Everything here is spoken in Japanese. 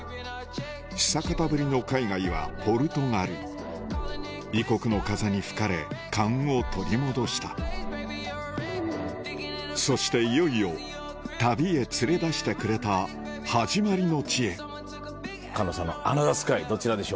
久方ぶりの海外は異国の風に吹かれ勘を取り戻したそしていよいよ旅へ連れ出してくれた始まりの地へ菅野さんのアナザースカイどちらでしょう？